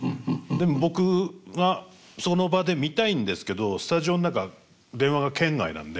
でも僕はその場で見たいんですけどスタジオの中電話が圏外なんで。